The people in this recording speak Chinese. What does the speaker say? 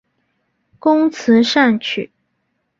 工词善曲。